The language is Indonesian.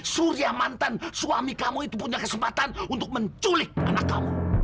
surya mantan suami kamu itu punya kesempatan untuk menculik anak kamu